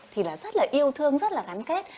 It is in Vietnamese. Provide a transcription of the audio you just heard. thì rất là yêu thương rất là gắn kết